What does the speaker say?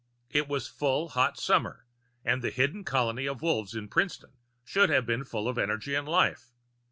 It was full hot summer and the hidden colony of Wolves in Princeton should have been full of energy and life.